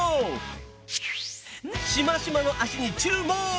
しましまの脚に注目！